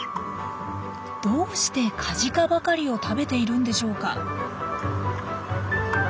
どうしてカジカばかりを食べているんでしょうか？